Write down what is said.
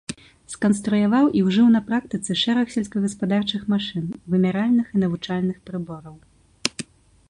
Сканструяваў і ўжыў на практыцы шэраг сельскагаспадарчых машын, вымяральных і навучальных прыбораў.